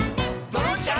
「ドロンチャ！